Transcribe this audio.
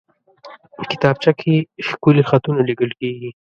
کتابچه کې ښکلي خطونه لیکل کېږي